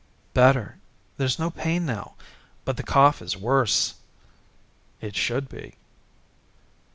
"Better. There's no pain now. But the cough is worse." "It should be."